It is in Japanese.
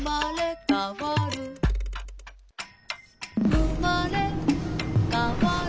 「うまれかわる」